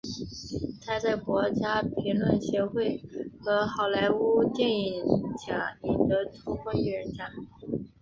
他在国家评论协会和好莱坞电影奖赢得突破艺人奖。